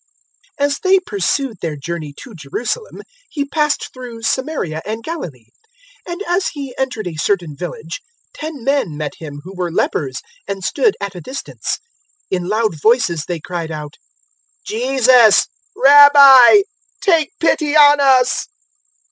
'" 017:011 As they pursued their journey to Jerusalem, He passed through Samaria and Galilee. 017:012 And as He entered a certain village, ten men met Him who were lepers and stood at a distance. 017:013 In loud voices they cried out, "Jesus, Rabbi, take pity on us."